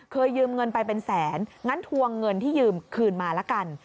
ยืมเงินไปเป็นแสนงั้นทวงเงินที่ยืมคืนมาละกัน